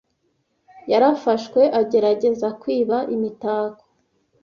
Yarafashwe agerageza kwiba imitako.